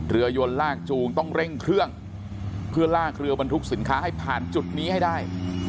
เรือยนลากจูงต้องเร่งเครื่องเพื่อลากเรือบรรทุกสินค้าให้ผ่านจุดนี้ให้ได้